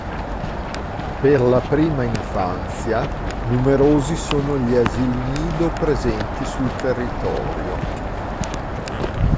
Per la prima infanzia, numerosi sono gli asili nido presenti sul territorio.